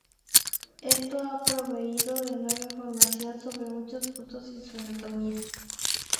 Esto ha proveído de nueva información sobre muchos puntos de su anatomía.